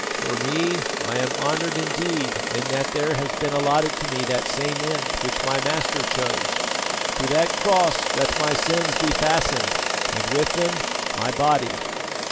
For me, I am honoured indeed in that there has been allotted to me that same end which my Master chose. To that cross let my sins be fastened and with them my body."